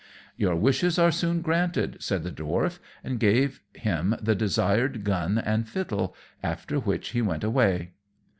"Your wishes are soon granted," said the Dwarf, and gave him the desired gun and fiddle; after which he went his way.